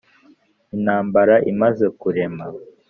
intambara imaze kurema